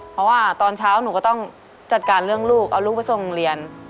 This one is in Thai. เพราะว่าตอนเช้าหนูก็ต้องจัดการเรื่องลูกเอาลูกไปส่งโรงเรียน